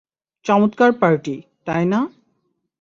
চমৎকার পার্টি, তাই না?